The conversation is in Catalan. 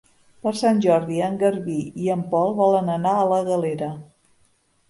Per Sant Jordi en Garbí i en Pol volen anar a la Galera.